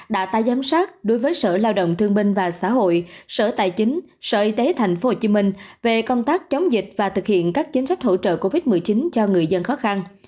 đã giám sát đối với sở lao động thương binh và xã hội sở tài chính sở y tế tp hcm về công tác chống dịch và thực hiện các chính sách hỗ trợ covid một mươi chín cho người dân khó khăn